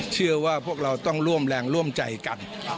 เชื่อว่าพวกเราต้องร่วมแรงร่วมใจกัน